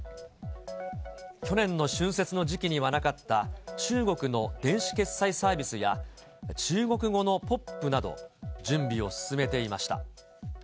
去年の春節の時期にはなかった、中国の電子決済サービスや、中国語のポップなど、準備を進めていました。